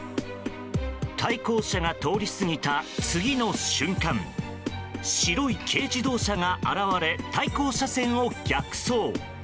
対向車が通り過ぎた次の瞬間白い軽自動車が現れ対向車線を逆走。